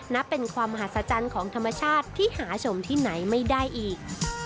นับเป็นความมหัศจรรย์ของธรรมชาติที่หาชมที่ไหนไม่ได้อีก